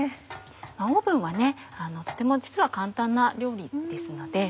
オーブンはとても実は簡単な料理ですので。